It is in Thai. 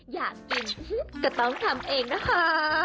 อยากกินก็ต้องทำเองนะคะ